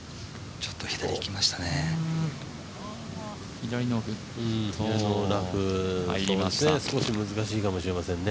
ちょっと左いきましたね。